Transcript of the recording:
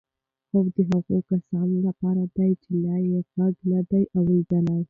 خوب د هغو کسانو لپاره دی چې لا یې غږ نه دی اورېدلی.